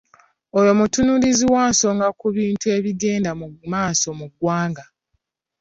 Oyo mutunuulizi wa nsonga ku bintu ebigenda mu maaso mu ggwanga.